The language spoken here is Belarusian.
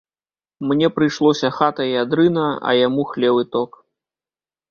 Мне прыйшлося хата і адрына, а яму хлеў і ток.